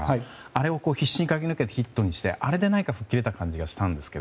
あれを必死に駆け抜けてヒットにしてあれで何か吹っ切れた感じがしましたが。